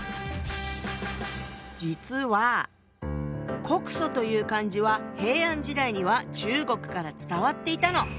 実は「告訴」という漢字は平安時代には中国から伝わっていたの。